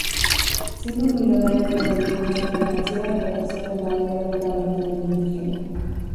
Siendo un millonario con influencia financiera, enfatizó que nadie era puramente indígena.